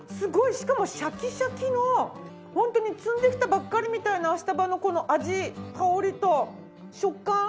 しかもシャキシャキのホントに摘んできたばっかりみたいなアシタバのこの味香りと食感歯触り。